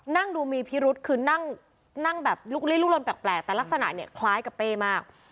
นั่งดูมีพิรุษคือนั่งแบบลุกลี้ลุกลนแปลกแต่ลักษณะเนี่ยคล้ายกับเป้มาก